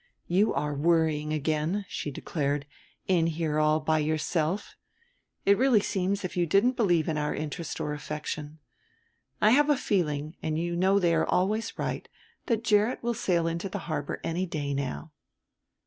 "You are worrying again," she declared; "in here all by yourself. It really seems as if you didn't believe in our interest or affection. I have a feeling, and you know they are always right, that Gerrit will sail into the harbor any day now."